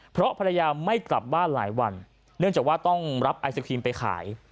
เพราะภรรยาไม่กลับบ้านหลายวันเนื่องจากว่าต้องรับไอศครีมไปขาย